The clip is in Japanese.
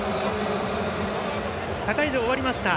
他会場、終わりました。